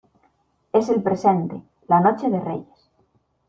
es el presente, la noche de Reyes.